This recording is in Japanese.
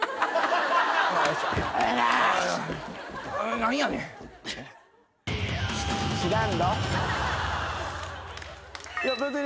何やねん。